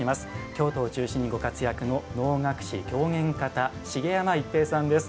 京都を中心にご活躍の能楽師、狂言方茂山逸平さんです。